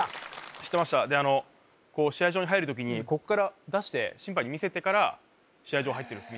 知ってましたであの試合場に入る時にここから出して審判に見せてから試合場入ってるんです